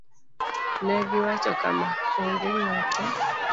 Ne giwacho kama: "Onge ng'ato